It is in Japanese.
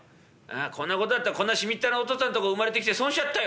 こんな事だったらこんなしみったれのお父っつぁんのとこ生まれてきて損しちゃったよ。